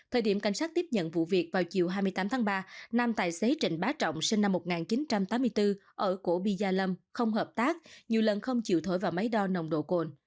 thời điểm cảnh sát tiếp nhận vụ việc vào chiều hai mươi tám tháng ba nam tài xế trịnh bá trọng sinh năm một nghìn chín trăm tám mươi bốn ở cổ bi gia lâm không hợp tác nhiều lần không chịu thổi vào máy đo nồng độ cồn